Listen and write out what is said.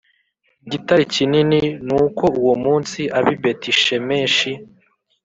gitare kinini Nuko uwo munsi ab i Betishemeshi